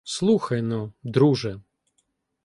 — Слухай-но, друже.